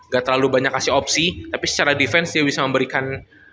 gak terlalu banyak kasih opsi tapi secara defense dia bisa memberikan